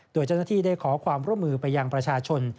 โดยเจ้าหน้าที่ได้ขอความร่วมมือไปยังประชาชน